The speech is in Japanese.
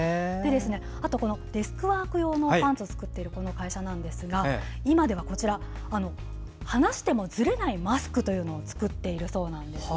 あと、デスクワーク用のパンツを作っているこの会社なんですが、今では話してもずれないマスクを作っているそうなんですね。